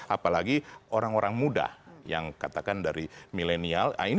apalagi orang orang muda yang katakan dari milenial